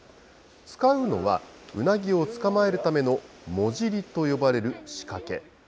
使うのは、うなぎを捕まえるためのもじりと呼ばれる仕掛け。